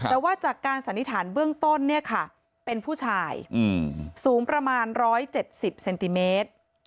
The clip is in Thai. แต่ว่าจากการสันนิษฐานเบื้องต้นเนี่ยค่ะเป็นผู้ชายสูงประมาณ๑๗๐เซนติเมตร